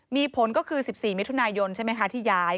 มีผลก็คือ๑๔มิยใช่ไหมคะที่ยาย